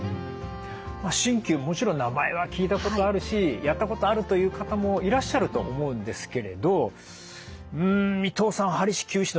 もちろん名前は聞いたことあるしやったことあるという方もいらっしゃると思うんですけれどん伊藤さんはり師きゅう師の資格お持ちです。